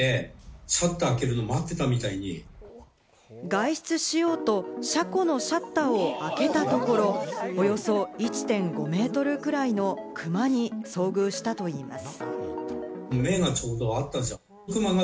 外出しようと車庫のシャッターを開けたところ、およそ１．５ｍくらいのクマに遭遇したといいます。